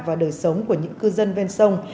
và đời sống của những cư dân ven sông